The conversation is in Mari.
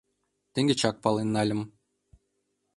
Теҥгечак пален нальым.